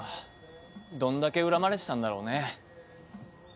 どんだけ恨まれてたんだろうね。